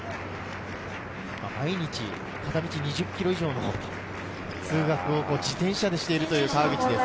毎日片道２０ｋｍ以上、通学を自転車でしているという川口です。